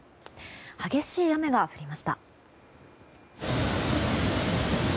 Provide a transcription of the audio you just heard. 激しい雨が降りました。